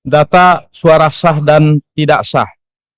data suara sah dan tidak sah